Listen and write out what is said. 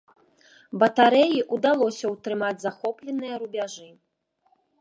Батарэі ўдалося ўтрымаць захопленыя рубяжы.